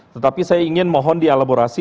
tetapi saya ingin mohon di elaborasi